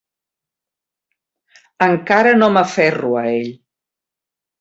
Encara no m"aferro a ell.